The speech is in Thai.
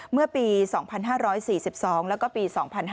เมื่อปี๒๕๔๒แล้วก็ปี๒๕๕๙